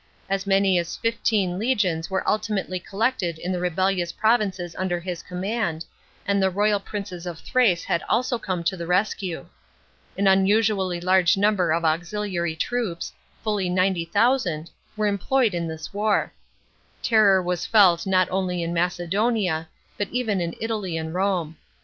As many as fifteen legions were ultimately collected in the rebellious provinces under his command, and the loyal princes of Thrace had also come to the rescue. An unusually large number of auxiliary troops, fully 90,000, were employed in this war. Terror was felt not only in Macedonia, but even in Italy and Borne.